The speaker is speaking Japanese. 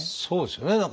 そうですよね。